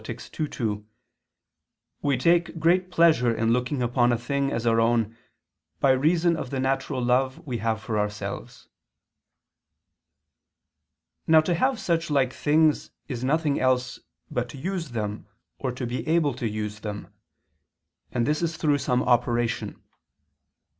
ii, 2) "we take great pleasure in looking upon a thing as our own, by reason of the natural love we have for ourselves." Now to have such like things is nothing else but to use them or to be able to use them: and this is through some operation.